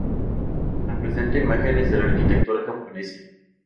Representa imágenes de la arquitectura japonesa.